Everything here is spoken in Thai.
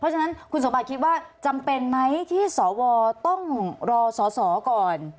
ฉะนั้นคุณสมบัติคิดว่าจำเป็นไหมที่สวต้องรอสอสอก่อน